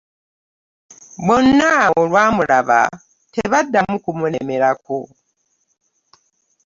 Bonna olwamulaba tebaddamu kumulemerako ,